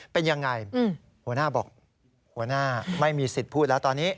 เป็นยังไงหัวหน้าบอกหัวหน้าไม่มีสิทธิ์พูดแล้วตอนนี้